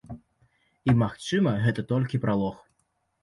І магчыма гэта толькі пралог.